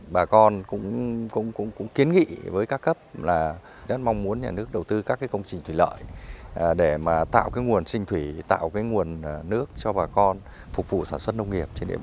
bà con cũng kiến nghị với các cấp là rất mong muốn nhà nước đầu tư các công trình thủy lợi để tạo nguồn sinh thủy tạo nguồn nước cho bà con phục vụ sản xuất nông nghiệp trên địa bàn